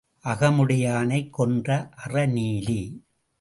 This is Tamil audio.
அகமுடையானைக் கொன்ற அற நீலி.